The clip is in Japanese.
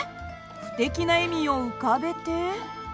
不敵な笑みを浮かべて。